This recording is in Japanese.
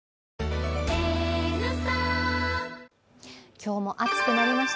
今日も暑くなりました。